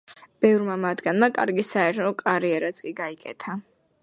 ბევრმა მათგანმა კარგი საერო კარიერაც კი გაიკეთა.